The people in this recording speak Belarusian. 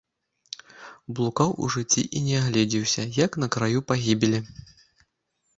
Блукаў у жыцці і не агледзеўся, як на краю пагібелі!